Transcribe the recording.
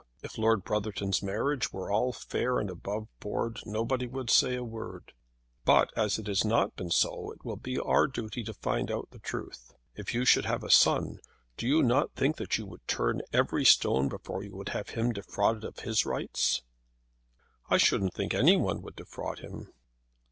If Lord Brotherton's marriage were all fair and above board, nobody would say a word; but, as it has not been so, it will be our duty to find out the truth. If you should have a son, do not you think that you would turn every stone before you would have him defrauded of his rights?" "I shouldn't think any one would defraud him."